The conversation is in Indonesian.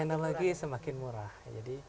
teknologi semakin murah jadi